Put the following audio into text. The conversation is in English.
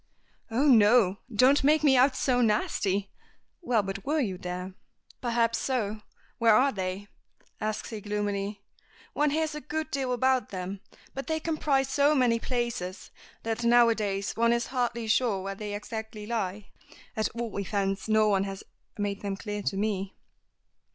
"Oh, no. Don't make me out so nasty. Well, but were you there?" "Perhaps so. Where are they?" asks he gloomily. "One hears a good deal about them, but they comprise so many places that now a days one is hardly sure where they exactly lie. At all events no one has made them clear to me."